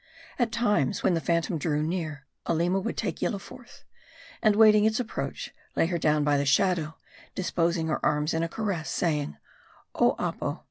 At times, when the phantom drew near, Aleema would take Yillah forth, and waiting its approach, lay her down by the shadow, disposing her arms in a caress; saying, "Oh, Apo